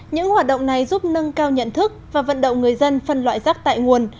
những hoạt động này giúp nâng cao nhận thức và vận động người dân phân loại rác tại nguồn